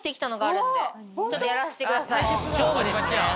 あるんでちょっとやらしてください。